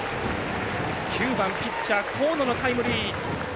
９番、ピッチャー河野のタイムリー。